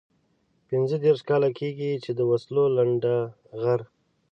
پنځه دېرش کاله کېږي چې د وسلو لنډه غر.